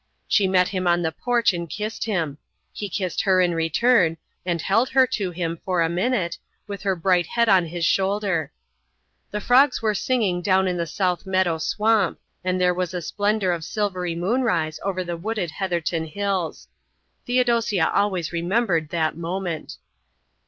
She met him on the porch and kissed him. He kissed her in return, and held her to him for a minute, with her bright head on his shoulder. The frogs were singing down in the south meadow swamp, and there was a splendour of silvery moonrise over the wooded Heatherton hills. Theodosia always remembered that moment.